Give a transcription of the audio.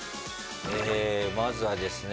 まずはですね